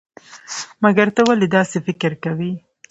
مګر ته ولې داسې فکر کوئ؟